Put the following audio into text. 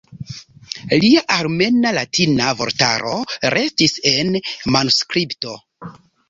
Lia armena-latina vortaro restis en manuskripto.